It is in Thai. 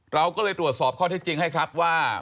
เราก็เลยตรวจสอบข้อเท็จจริงให้ครับว่า